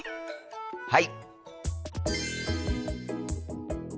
はい！